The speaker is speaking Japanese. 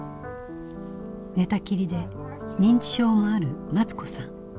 寝たきりで認知症もあるマツ子さん。